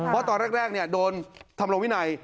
เพราะตอนแรกโดนทำรงวินัย